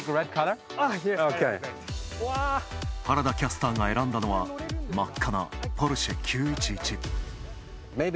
原田キャスターが選んだのは真っ赤なポルシェ９１１。